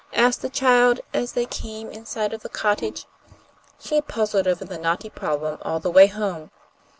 asked the child, as they came in sight of the cottage. She had puzzled over the knotty problem all the way home.